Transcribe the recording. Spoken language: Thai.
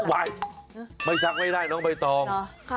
ไว้ไม่ซักไม่ได้น้องใบตอง